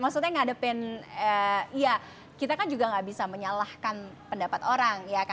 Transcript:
maksudnya ngadepin ya kita kan juga gak bisa menyalahkan pendapat orang ya kan